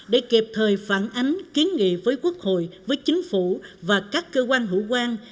để kịp thời phản ánh kiến nghị với quốc hội với chính phủ và các cơ quan hữu quan